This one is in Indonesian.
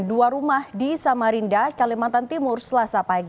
dua rumah di samarinda kalimantan timur selasa pagi